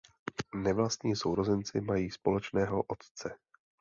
Nevlastní sourozenci mají společného otce.